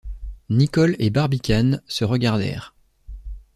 Nicholl et Barbicane se regardèrent.